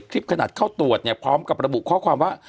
คือคือคือคือคือ